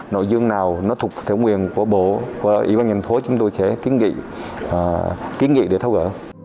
nội dung nào thuộc thổng quyền của bộ và ủy ban nhân thố chúng tôi sẽ kiến nghị để thấu gỡ